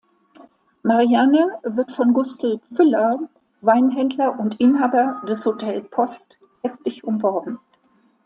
Marianne wird von Gustl Pfüller, Weinhändler und Inhaber des „Hotel Post“ heftig umworben.